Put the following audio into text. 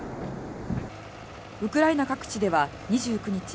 ウクライナ各地では２９日